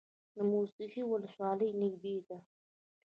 د موسهي ولسوالۍ نږدې ده